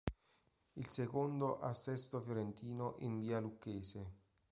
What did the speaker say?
Il secondo a Sesto Fiorentino, in via Lucchese.